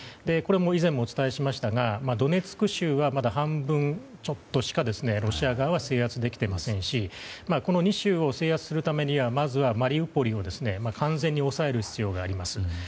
これも以前お伝えしましたがドネツク州はまだ半分ちょっとしかロシア側は制圧できていませんしこの２州を制圧するためにはまずはマリウポリを完全に抑える必要があります。